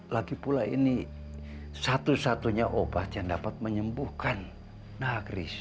lagipula ini satu satunya obat yang dapat menyembuhkan nagris